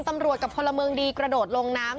ตำรวจกับพลเมืองดีกระโดดลงน้ำ